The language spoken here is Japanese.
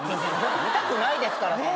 見たくないですから。